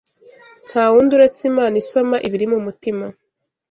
Nta wundi uretse Imana isoma ibiri mu mutima